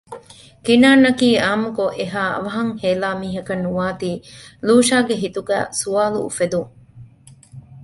ކިނާންއަކީ އާންމުކޮށް އެހާ އަވަހަށް ހޭލާ މީހަކަށް ނުވާތީ ލޫޝާގެ ހިތުގައި ސުވާލު އުފެދުން